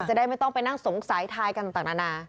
จะได้ไม่ต้องไปนั่งสงสัยทายกันต่างนานา